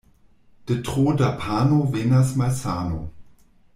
De tro da pano venas malsano.